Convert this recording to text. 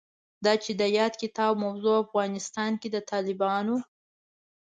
دا چې د یاد کتاب موضوع افغانستان کې د طالبانو